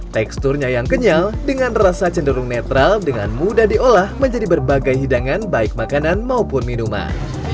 teksturnya yang kenyal dengan rasa cenderung netral dengan mudah diolah menjadi berbagai hidangan baik makanan maupun minuman